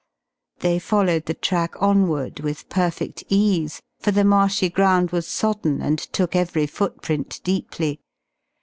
They followed the track onward, with perfect ease, for the marshy ground was sodden and took every footprint deeply.